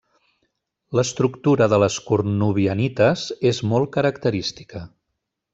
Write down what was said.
L'estructura de les cornubianites és molt característica.